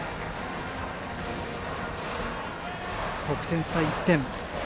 得点差１点。